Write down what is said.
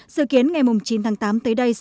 dự kiến ngày chín tháng tám tới đây